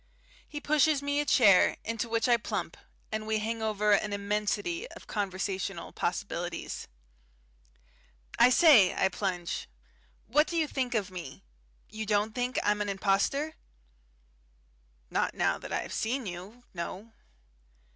He pushes me a chair, into which I plump, and we hang over an immensity of conversational possibilities. "I say," I plunge, "what do you think of me? You don't think I'm an impostor?" "Not now that I have seen you. No."